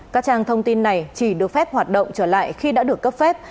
các trang thông tin này chỉ được phép hoạt động trở lại khi đã được cấp phép